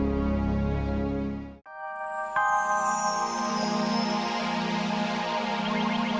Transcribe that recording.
nanti kita lihat siapa yang dipenjara